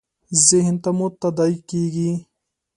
ذهن ته مو تداعي کېږي .